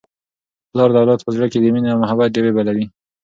پلار د اولاد په زړه کي د مینې او محبت ډېوې بلوي.